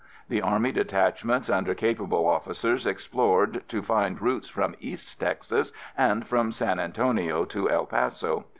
The army detachments under capable officers explored to find routes from East Texas and from San Antonio to El Paso.